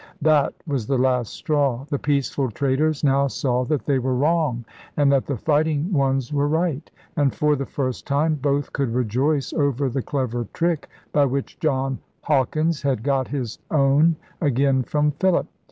That was the last straw. The peaceful traders now saw that they were wrong and that the fighting ones were right; and for the first time both could rejoice over the clever trick by which John Hawkins had got his own again from Philip.